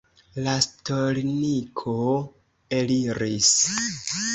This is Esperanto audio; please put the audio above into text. La stolniko eliris.